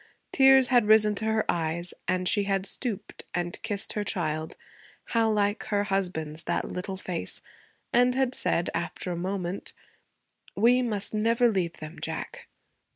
Tears had risen to her eyes and she had stooped and kissed her child, how like her husband's that little face! and had said, after a moment, 'We must never leave them, Jack.'